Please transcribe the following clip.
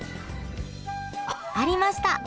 ありました！